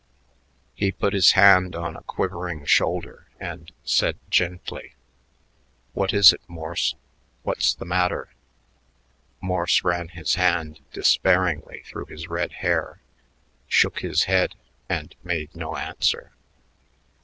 He put his hand on a quivering shoulder and said gently: "What is it, Morse? What's the matter?" Morse ran his hand despairingly through his red hair, shook his head, and made no answer.